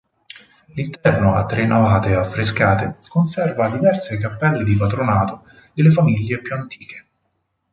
L'interno a tre navate affrescate, conserva diverse cappelle di patronato delle famiglie più antiche.